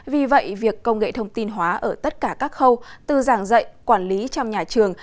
vì vậy việc công nghệ thông tin hóa ở tất cả các khâu từ giảng dạy quản lý trong nhà trường